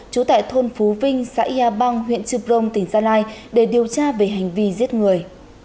chú tại thôn phú vinh xã yà bang huyện trư prông tỉnh gia lai để điều tra về hành vi giết người